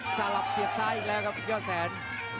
สลับเสียบซ้ายอีกแล้วครับยอดแสน